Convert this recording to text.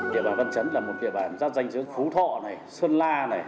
địa bàn văn trấn là một địa bàn giác danh giữa phú thọ sơn la